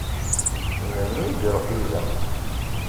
Melmi i iṛuḥ yid-m?